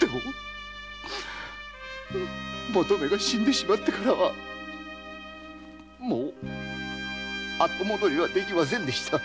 でも求馬が死んでしまってからはもう後戻りはできませんでした。